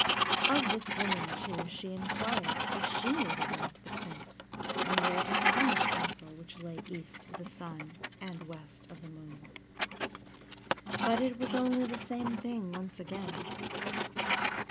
Of this woman, too, she inquired if she knew the way to the Prince, and where to find the castle which lay east of the sun and west of the moon. But it was only the same thing once again.